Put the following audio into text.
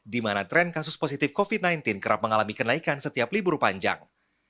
di mana tren kasus positif covid sembilan belas kerap mengalami kenaikan setiap libur panjang